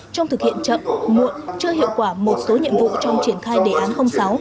trong thực hiện chậm muộn chưa hiệu quả một số nhiệm vụ trong triển khai đề án sáu